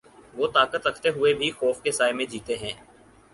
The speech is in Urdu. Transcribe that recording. وہ طاقت رکھتے ہوئے بھی خوف کے سائے میں جیتے ہیں۔